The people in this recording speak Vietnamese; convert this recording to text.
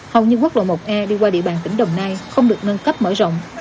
hầu như quốc lộ một e đi qua địa bàn tỉnh đồng nai không được nâng cấp mở rộng